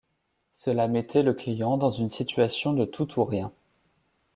Cela mettait le client dans une situation de tout ou rien.